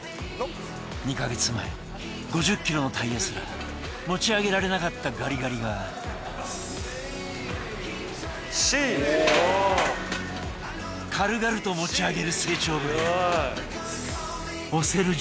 ２か月前５０ｋｇのタイヤすら持ち上げられなかったガリガリが軽々と持ち上げる成長ぶり押せる